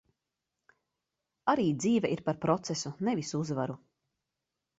Arī dzīve ir par procesu, nevis uzvaru.